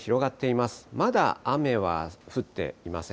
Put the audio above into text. まだ雨は降っていません。